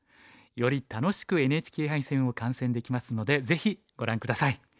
より楽しくＮＨＫ杯戦を観戦できますのでぜひご覧下さい。